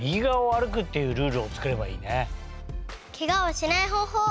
ケガをしないほうほう